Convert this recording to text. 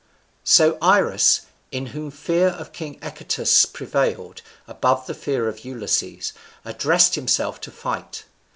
So Irus, in whom fear of king Echetus prevailed above the fear of Ulysses, addressed himself to fight.